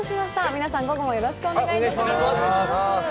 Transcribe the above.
皆さん、午後もよろしくお願いいたしまーす。